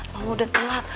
mama udah telat